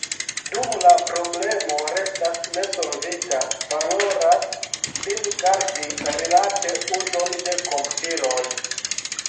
Dum la problemo restas nesolvita, valoras sin gardi rilate uzon de komputiloj.